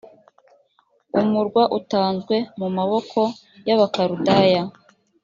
umurwa utanzwe mu maboko y abakaludaya